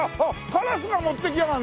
カラスが持って行きやがるの。